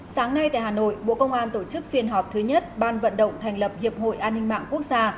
sáng nay tại hà nội bộ công an tổ chức phiên họp thứ nhất ban vận động thành lập hiệp hội an ninh mạng quốc gia